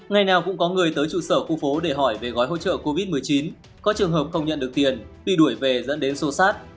ngày nào cũng có người tới trụ sở khu phố để hỏi về gói hỗ trợ covid một mươi chín có trường hợp không nhận được tiền đi đuổi về dẫn đến sô sát